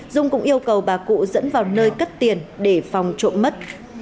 dung cũng yêu cầu bà cụ dẫn vào nơi cất tiền để phòng trộm mất